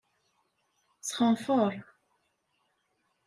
Sxenfeṛ.